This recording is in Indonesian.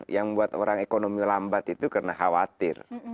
yang membuat orang ekonomi lambat itu karena khawatir